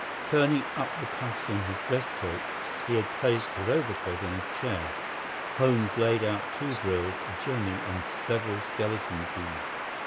Turning up the cuffs of his dress coat—he had placed his overcoat on a chair—Holmes laid out two drills, a jemmy, and several skeleton keys.